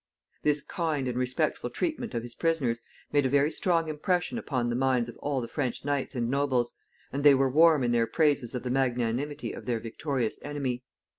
This kind and respectful treatment of his prisoners made a very strong impression upon the minds of all the French knights and nobles, and they were warm in their praises of the magnanimity of their victorious enemy.